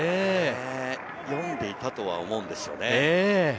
呼んでいたとは思うんですよね。